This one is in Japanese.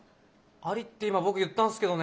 ありって今僕言ったんすけどね。